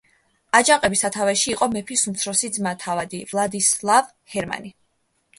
აჯანყების სათავეში იყო მეფის უმცროსი ძმა თავადი ვლადისლავ ჰერმანი.